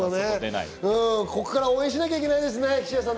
ここから応援しなきゃいけないですね、菱谷さん。